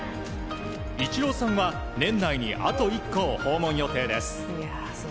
イチローさんは年内にあと１校訪問予定です。